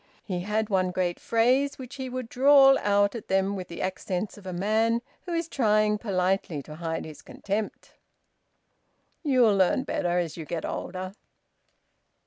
He had one great phrase, which he would drawl out at them with the accents of a man who is trying politely to hide his contempt: "You'll learn better as you get older."